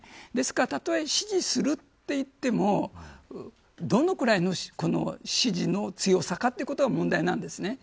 ですから、たとえ支持するといってもどのくらいの支持の強さかということが問題なんです。